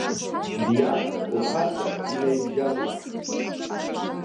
Диарц лхаҵа инаиабжьалгахт.